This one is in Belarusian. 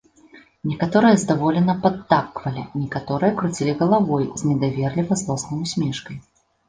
Некаторыя здаволена падтаквалі, некаторыя круцілі галавой з недаверліва злоснай усмешкай.